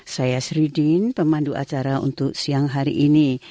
saya sri din pemandu acara untuk siang hari ini